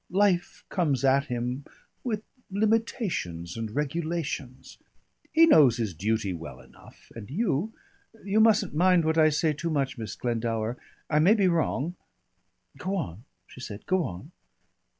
Life comes at him, with limitations and regulations. He knows his duty well enough. And you You mustn't mind what I say too much, Miss Glendower I may be wrong." "Go on," she said, "go on."